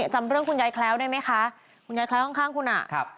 จำเรื่องคุณยายแคล้วได้ไหมคะคุณยายแคล้วข้างคุณอ่ะ